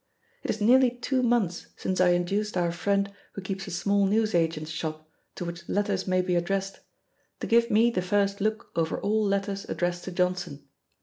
It is nearly two months since I induced our friend who keeps a small newsagent's shop to which letters may be addressed, to give me the first look over all letters addressed to Johnson.